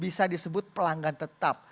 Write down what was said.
bisa disebut pelanggan tetap